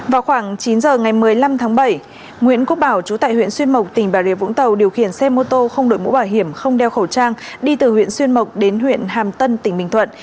vào khoảng chín giờ ngày một mươi năm tháng bảy nguyễn quốc bảo chú tại huyện xuyên mộc tỉnh bà rịa vũng tàu điều khiển xe mô tô không đội mũ bảo hiểm không đeo khẩu trang đi từ huyện xuyên mộc đến huyện hàm tân tỉnh bình thuận